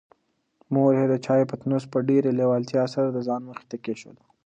مور یې د چایو پتنوس په ډېرې لېوالتیا سره د ځان مخې ته کېښود.